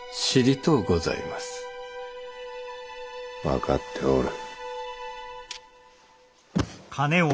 分かっておる。